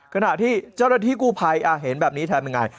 ขณะที่เจ้าหน้าที่กู้ภัยเห็นแบบนี้ทำยังไง